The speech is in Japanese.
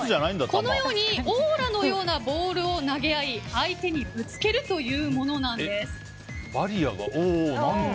このようにオーラのようなボールを投げ合い相手にぶつけるというものなんです。